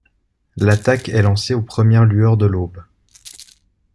L’attaque est lancée aux premières lueurs de l’aube.